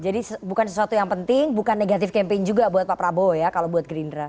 jadi bukan sesuatu yang penting bukan negatif campaign juga buat pak prabowo ya kalau buat gerindra